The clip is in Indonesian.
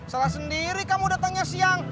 salah sendiri kamu datangnya siang